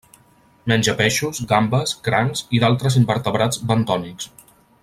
Menja peixos, gambes, crancs i d'altres invertebrats bentònics.